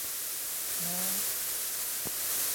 น้า